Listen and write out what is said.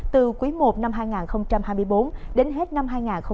từ quý i năm hai nghìn hai mươi bốn đến hết năm hai nghìn hai mươi bốn